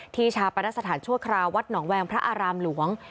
ชาปนสถานชั่วคราววัดหนองแวงพระอารามหลวง